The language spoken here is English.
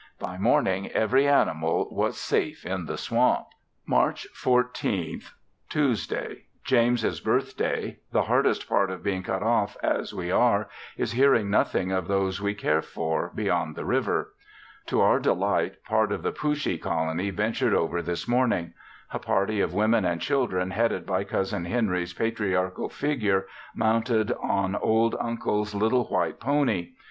By morning every animal was safe in the swamp. March 14th. Tuesday. James's birthday; the hardest part of being cut off as we are is hearing nothing of those we care for beyond the river. To our delight part of the Pooshee colony ventured over this morning; a party of women and children headed by Cousin Henry's patriarchal figure mounted on old Uncle's little white pony.